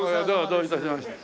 どういたしまして。